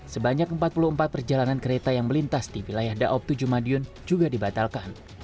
sebanyak empat puluh empat perjalanan kereta yang melintas di wilayah daob tujuh madiun juga dibatalkan